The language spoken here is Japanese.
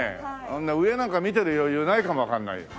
あんな上なんか見てる余裕ないかもわかんないよ。